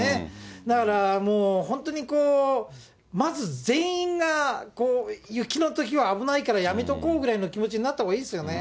だからもう、本当に、まず全員が、雪のときは危ないからやめとこうぐらいの気持ちになったほうがいいですよね。